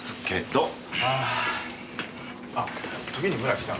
あっときに村木さん。